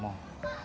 marah sama gue